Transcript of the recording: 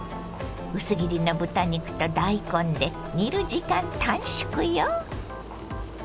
薄切りの豚肉と大根で煮る時間短縮よ。